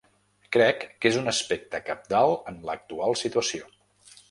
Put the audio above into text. Crec que és un aspecte cabdal en l’actual situació.